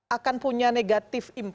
akan punya negatif impact